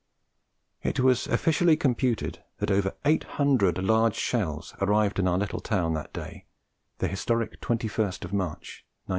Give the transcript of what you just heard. It was officially computed that over eight hundred large shells arrived in our little town that day, the historic 21st March, 1918.